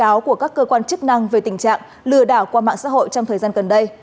và khuyến cáo của các cơ quan chức năng về tình trạng lừa đảo qua mạng xã hội trong thời gian gần đây